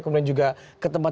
kemudian juga ketempatan